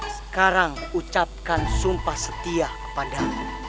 sekarang ucapkan sumpah setia kepadamu